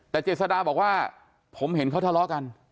แต่เจษฎาบอกว่าผมเห็นเขาทะเลาะกัน